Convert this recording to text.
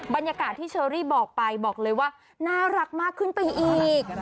บรรยากาศที่เชอรี่บอกไปบอกเลยว่าน่ารักมากขึ้นไปอีก